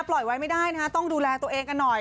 ปล่อยไว้ไม่ได้นะฮะต้องดูแลตัวเองกันหน่อย